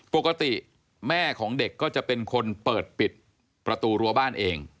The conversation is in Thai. ปกติแม่ของเด็กก็จะเป็นคนเปิดปิดประตูรั้วบ้านเอง